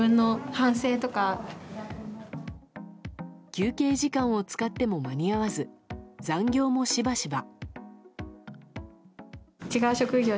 休憩時間を使っても間に合わず残業もしばしば。